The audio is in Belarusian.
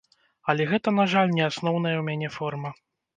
Але гэта, на жаль, не асноўная ў мяне форма.